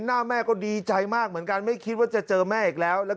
หน้าแม่ก็ดีใจมากเหมือนกันไม่คิดว่าจะเจอแม่อีกแล้วแล้ว